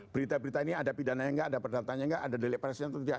berita berita ini ada pidana enggak ada perdatanya enggak ada deleg presiden itu enggak